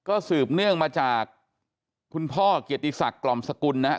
ก็สืบเนื่องมาจากคุณพ่อเกียรติศักดิ์กล่อมสกุลนะครับ